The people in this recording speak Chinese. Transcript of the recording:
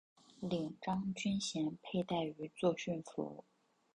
领章军衔佩戴于作训服。